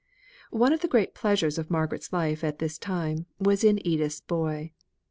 One of the great pleasures of Margaret's life at this time was in Edith's boy.